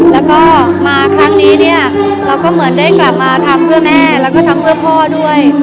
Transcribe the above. แล้วก็มาครั้งนี้เนี่ยเราก็เหมือนได้กลับมาทำเพื่อแม่แล้วก็ทำเพื่อพ่อด้วย